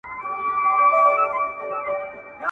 • په خندا پاڅي په ژړا يې اختتام دی پيره.